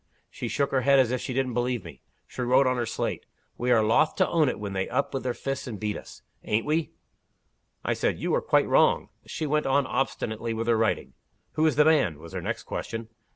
She shook her head as if she didn't believe me. She wrote on her slate, 'We are loth to own it when they up with their fists and beat us ain't we?' I said, 'You are quite wrong.' She went on obstinately with her writing. 'Who is the man?' was her next question.